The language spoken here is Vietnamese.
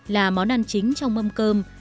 là món ăn chính trong mâm cơm